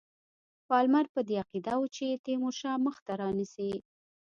پالمر په دې عقیده وو چې تیمورشاه مخته رانه سي.